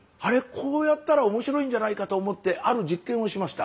こうやったら面白いんじゃないかと思ってある実験をしました。